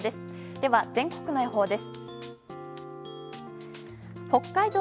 では全国の予報です。